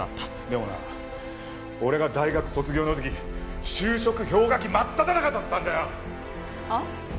でもな俺が大学卒業の時就職氷河期真っただ中だったんだよ！はあ？